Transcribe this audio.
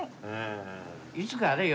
いつかあれはい。